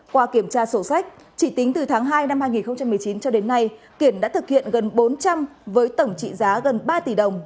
qua kiểm tra sổ sách chỉ tính từ tháng hai năm hai nghìn một mươi chín cho đến nay kiển đã thực hiện gần bốn trăm linh với tổng trị giá gần ba tỷ đồng